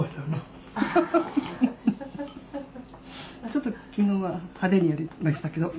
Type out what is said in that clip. ちょっと昨日は派手にやりましたけど。